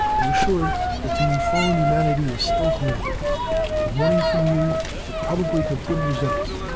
Be assured that to me fallen humanity is still holy. A warning from you would probably have good results.